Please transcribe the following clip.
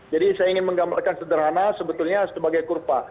jadi saya ingin menggambarkan sederhana sebetulnya sebagai kurva